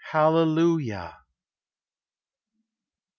Allelujah!